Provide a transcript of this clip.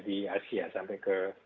di asia sampai ke